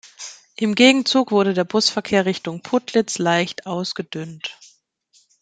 Im Gegenzug wurde der Busverkehr Richtung Putlitz leicht ausgedünnt.